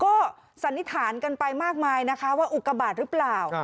ก็สันนิษฐานกันไปมากมายนะคะว่าอุกบาทหรือเปล่า